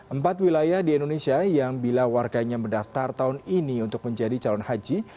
empat wilayah di indonesia yang bila warganya mendaftar tahun ini untuk menjadi calon haji